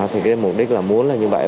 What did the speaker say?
thì cái mục đích là muốn là như vậy